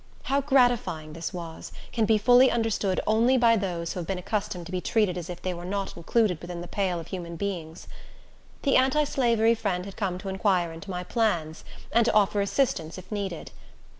How gratifying this was, can be fully understood only by those who have been accustomed to be treated as if they were not included within the pale of human beings. The anti slavery friend had come to inquire into my plans, and to offer assistance, if needed.